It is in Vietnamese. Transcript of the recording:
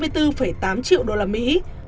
ba mươi bốn tám triệu đô la mỹ